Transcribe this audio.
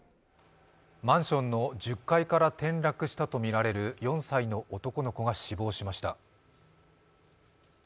マンションの１０階から転落したとみられる４歳の男の子が死亡しました。